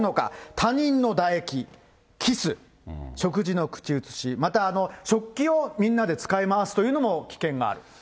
他人のだ液、キス、食事の口移し、また、食器をみんなで使い回すというのも危険がある。